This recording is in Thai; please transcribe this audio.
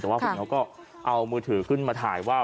แต่ว่าคนเขาก็เอามือถือขึ้นมาถ่ายว่า